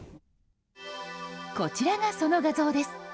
こちらがその画像です。